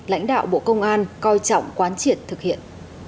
lãnh đạo bộ công an coi trọng quán triển thực hiện